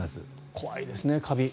怖いですね、カビ。